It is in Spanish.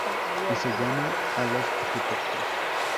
Y se llamó a los arquitectos.